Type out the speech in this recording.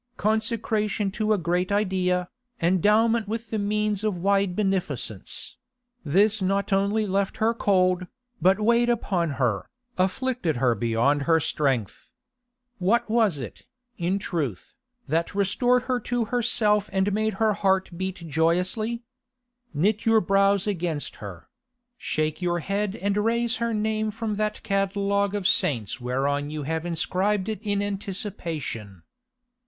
Consecration to a great idea, endowment with the means of wide beneficence—this not only left her cold, but weighed upon her, afflicted her beyond her strength. What was it, in truth, that restored her to herself and made her heart beat joyously? Knit your brows against her; shake your head and raze her name from that catalogue of saints whereon you have inscribed it in anticipation.